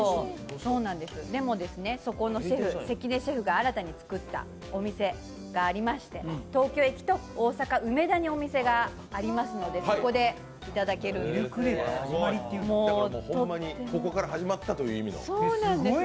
でも、そこのシェフ、関根シェフが新たに作ったお店がありまして東京駅と大阪・梅田にお店がありますのでそこでいただけるんです。